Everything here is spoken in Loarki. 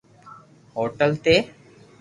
ھوٽل تي